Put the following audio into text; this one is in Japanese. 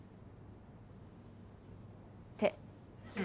って。